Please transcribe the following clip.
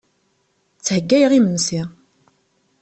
Ttheggayeɣ imensi.